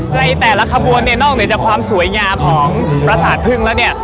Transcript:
ในแต่ละขบวนนอกจากความสวยงามของประสาทพึ่งแล้ว